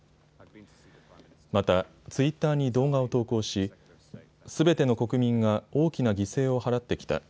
またツイッターに動画を投稿しすべての国民が大きな犠牲を払ってきた。